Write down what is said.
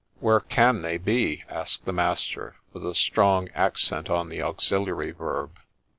' Where can they be ?' asked the master, with a strong accent on the auxiliary verb.